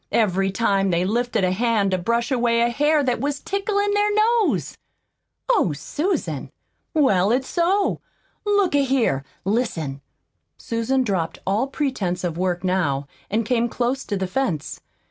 every time they lifted a hand to brush away a hair that was ticklin' their nose?" "Oh, Susan!" "Well, it's so. Look a here, listen!" Susan dropped all pretense of work now, and came close to the fence.